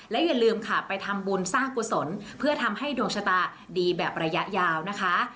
และอย่าลืมค่ะไปทำบุญสร้างกุศลเพื่อทำให้ดวงชะตาดีแบบระยะยาวนะคะ